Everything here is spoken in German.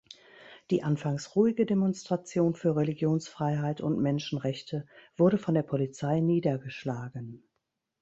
Die anfangs ruhige Demonstration für Religionsfreiheit und Menschenrechte wurde von der Polizei niedergeschlagen.